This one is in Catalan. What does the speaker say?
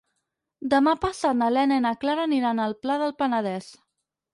Demà passat na Lena i na Clara aniran al Pla del Penedès.